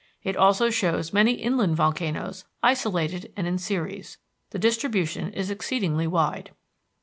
It also shows many inland volcanoes, isolated and in series. The distribution is exceedingly wide.